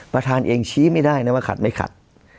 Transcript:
ประธานเองชี้ไม่ได้นะว่าขัดไม่ขัด